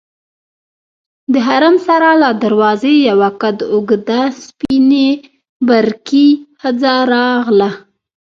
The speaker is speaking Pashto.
د حرم سرا له دروازې یوه قد اوږده سپینې برقعې ښځه راغله.